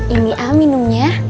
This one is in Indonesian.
ini a minumnya